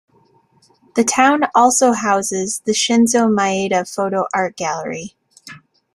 The town also houses the Shinzo Maeda Photo Art Gallery.